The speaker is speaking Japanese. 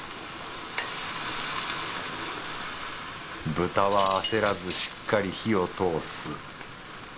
豚は焦らずしっかり火を通す。